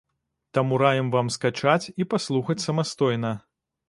Таму раім вам скачаць і паслухаць самастойна.